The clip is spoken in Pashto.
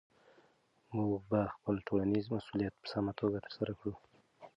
موږ به خپل ټولنیز مسؤلیت په سمه توګه ترسره کړو.